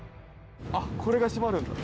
あっこれが閉まるんだ。